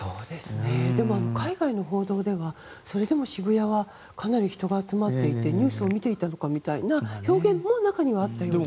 でも、海外の報道ではそれでも渋谷はかなり人が集まっていてニュースを見ていたのかというような表現も中にはあったようです。